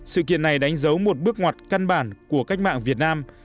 sự kiện này đánh dấu một bước ngoặt căn bản của cách mạng việt nam